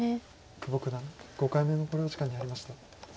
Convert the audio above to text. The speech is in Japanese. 久保九段５回目の考慮時間に入りました。